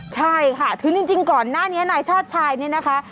ใช่ค่ะถึงจริงก่อนหน้านี้นายชาติชายเนี่ยนะคะ